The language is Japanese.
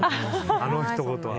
あのひと言は。